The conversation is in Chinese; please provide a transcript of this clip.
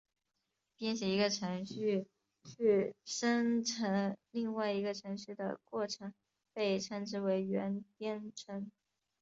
编写一个程序去生成另外一个程序的过程被称之为元编程。